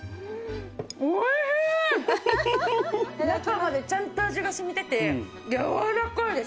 中までちゃんと味が染みててやわらかいです。